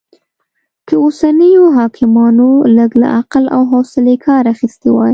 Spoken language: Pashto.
که اوسنيو حاکمانو لږ له عقل او حوصلې کار اخيستی وای